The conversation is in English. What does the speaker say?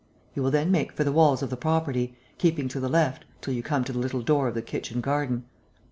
You will then make for the walls of the property, keeping to the left, till you come to the little door of the kitchen garden.